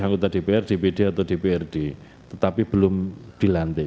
anggota dpr dpd atau dprd tetapi belum dilantik